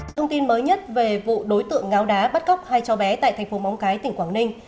thông tin mới nhất về vụ đối tượng ngáo đá bắt cóc hai cháu bé tại thành phố móng cái tỉnh quảng ninh